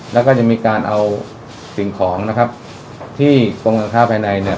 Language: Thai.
แล้วก็จะมีการเอาสิ่งของนะครับที่กรมการค้าภายในเนี่ย